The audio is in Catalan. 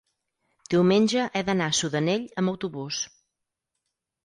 diumenge he d'anar a Sudanell amb autobús.